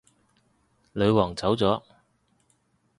女皇走咗